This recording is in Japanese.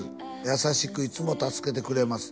「優しくいつも助けてくれます」